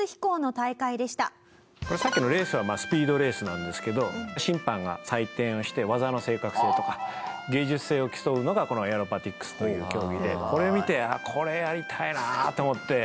これさっきのレースはスピードレースなんですけど審判が採点をして技の正確性とか芸術性を競うのがこのエアロバティックスという競技でこれを見て「これやりたいな」って思って。